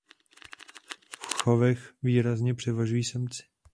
V chovech výrazně převažují samci.